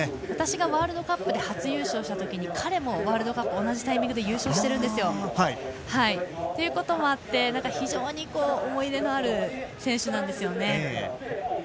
私がワールドカップで初優勝したとき、彼も同じタイミングで優勝しているんですよ。ということもあって非常に思い入れのある選手なんですよね。